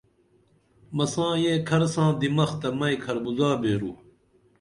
مساں یہ کھر ساں دمخ تہ مئیس کھربُزا بیرو